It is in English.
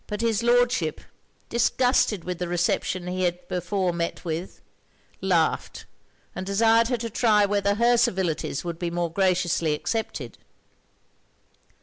But his Lordship, disgusted with the reception he had before met with, laughed, and desired her to try whether her civilities would be more graciously accepted.